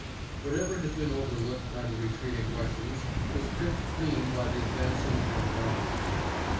Whatever had been overlooked by the retreating Russians was picked clean by the advancing German armies.